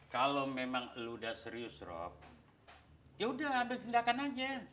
kalau memang lu udah serius rob yaudah ambil tindakan aja